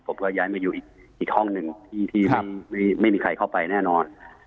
ผมก็ย้ายมาอยู่อีกห้องหนึ่งที่ไม่มีใครเข้าไปแน่นอน